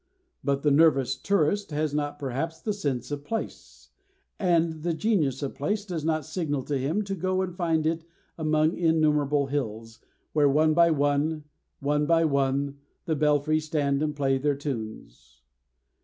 But the nervous tourist has not, perhaps, the sense of place, and the genius of place does not signal to him to go and find it among innumerable hills, where one by one, one by one, the belfries stand and play their tunes.